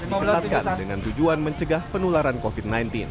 diketatkan dengan tujuan mencegah penularan covid sembilan belas